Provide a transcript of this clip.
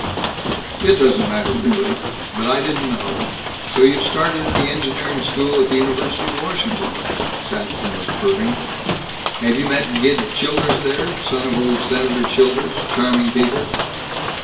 "It doesn't matter, really. But I didn't know So you've started in the engineering school at the University of Washington," Saxton was purring. "Have you met Gid Childers there son of old Senator Childers charming people."